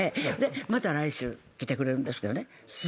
また来週来てくれるんですけど。